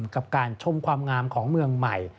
กับการชมความงามของเมืองใหม่